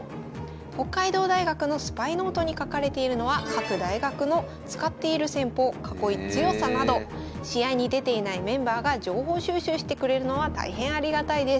北海道大学のスパイノートに書かれているのは各大学の使っている戦法囲い強さなど試合に出ていないメンバーが情報収集してくれるのは大変ありがたいです。